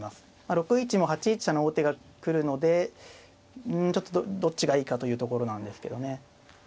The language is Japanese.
６一も８一飛車の王手が来るのでうんちょっとどっちがいいかというところなんですけどね。